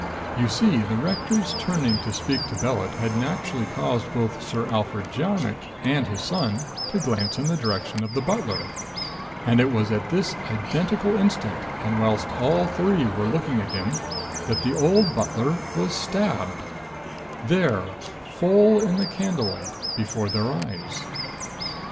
You see, the Rector's turning to speak to Bellett had naturally caused both Sir Alfred Jarnock and his son to glance in the direction of the butler, and it was at this identical instant and whilst all three were looking at him, that the old butler was stabbed there, full in the candlelight, before their eyes.